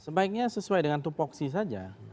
sebaiknya sesuai dengan tupoksi saja